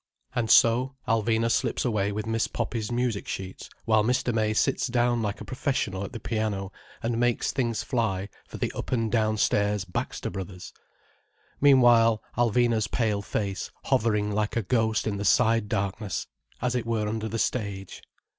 And so, Alvina slips away with Miss Poppy's music sheets, while Mr. May sits down like a professional at the piano and makes things fly for the up and down stairs Baxter Bros. Meanwhile, Alvina's pale face hovering like a ghost in the side darkness, as it were under the stage.